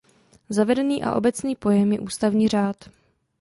Zavedený a obecný pojem je "ústavní řád".